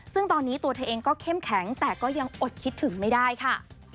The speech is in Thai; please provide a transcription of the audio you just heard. ซึ่งตอนนี้ตัวเธอเองก็เข้มแข็งแต่ก็ยังอดคิดถึงไม่ได้ค่ะ